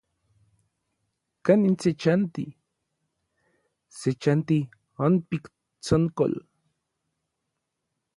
¿Kanin se chanti? Se chanti onpik Tsonkol.